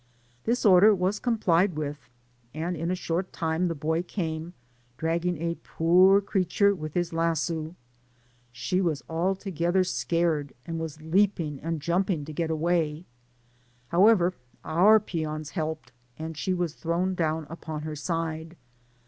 This order was complied with, and in a short time the boy came, dragging a poor creature with his lasso. She was altogether scared, and was leaping and jumping to get away ; however, our peons helped, and she was thrown down upon her side.